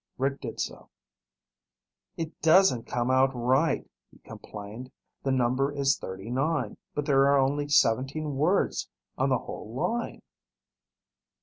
Rick did so. "It doesn't come out right," he complained. "The number is 39, but there are only 17 words on the whole line."